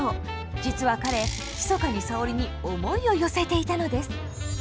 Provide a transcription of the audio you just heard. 実は彼ひそかに沙織に思いを寄せていたのです。